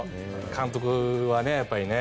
監督はやっぱりね。